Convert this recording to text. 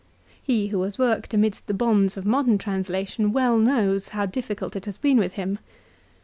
He who has worked amidst the bonds of modern translation well knows how different it has been with him.